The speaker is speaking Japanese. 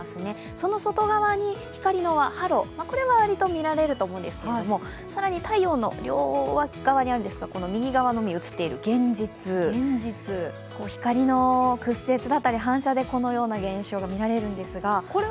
その外側に光の輪、ハロ、これは割と見られると思うんですが更に大量の両側にあるんですが右側にある幻日光の屈折だったり反射でこのようなものが見えるんですが。